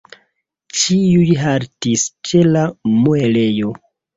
Ĉiuj haltis ĉe la muelejo.